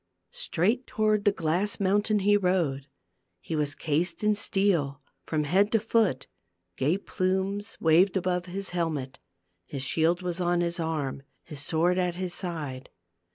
Straight toward the glass mountain he rode. He was cased in steel from head to foot ; gay plumes waved above his helmet, his shield was on his arm, his sword at his side.